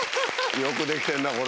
よく出来てんなこれ。